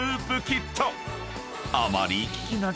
［あまり］